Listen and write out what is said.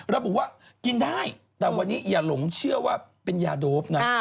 ระบุว่ากินได้แต่วันนี้อย่าหลงเชื่อว่าเป็นยาโดปนะ